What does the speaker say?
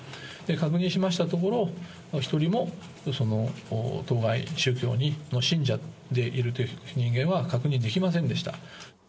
確認しましたところ、１人も当該宗教の信者でいるという人間は確認できませんでした。